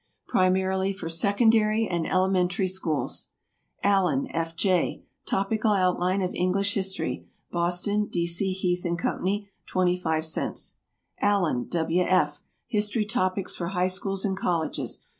Primarily for Secondary and Elementary Schools. ALLEN, F. J. "Topical Outline of English History." Boston, D. C. Heath & Co. 25 cents. ALLEN, W. F. "History Topics for High Schools and Colleges."